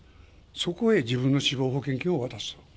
そこへ自分の死亡保険金を渡した。